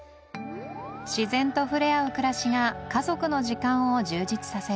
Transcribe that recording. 自然と触れ合う暮らしが家族の時間を充実させる